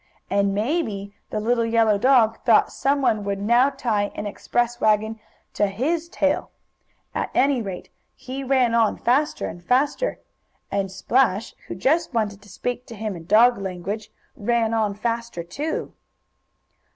And maybe the little yellow dog thought some one would now tie an express wagon to his tail. At any rate he ran on faster and faster, And Splash, who just wanted to speak to him, in dog language, ran on faster too.